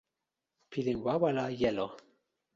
pilin wawa la jelo.